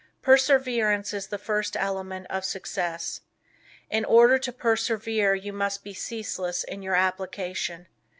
Perseverance is the first element of success. In order to persevere you must be ceaseless in your application.